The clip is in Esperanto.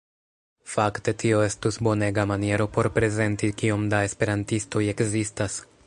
Fakte tio estus bonega maniero por prezenti kiom da esperantistoj ekzistas.